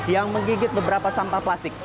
yang menggigit beberapa sampah plastik